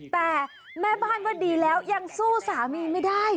แต่แม่บ้านว่าดีแล้วยังสู้สามีไม่ได้